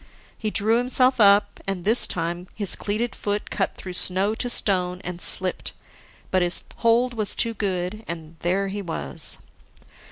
He drew himself up, and this time his cleated foot cut through snow to stone, and slipped, but his hold was too good. And there he was.